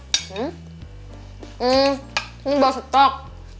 hmm ini bau setok